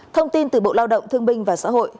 thông tin từ bộ lao động thương binh và xã hội